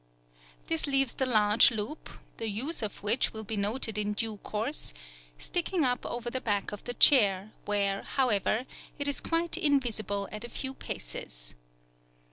This leaves the large loop, the use of which will be noted in due course, sticking up over the back of the chair, where, however, it is quite invisible at a few paces.